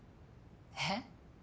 えっ？